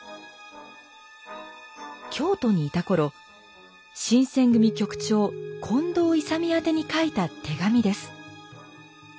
京都にいた頃新選組局長近藤勇宛てに書いた手紙です。